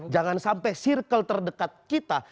jangan sampai circle terdekat kita